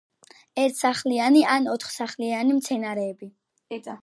ერთსახლიანი ან ორსახლიანი მცენარეებია.